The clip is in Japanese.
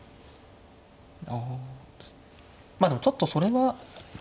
まあでもちょっとそれは。